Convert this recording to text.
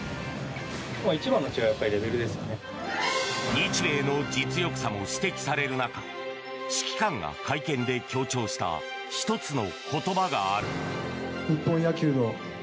日米の実力差も指摘される中指揮官が会見で強調した１つの言葉がある。